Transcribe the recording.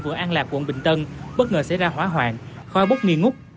vườn an lạc quận bình tân bất ngờ xảy ra hóa hoạn khoai bốc nghi ngút